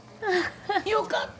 よかった！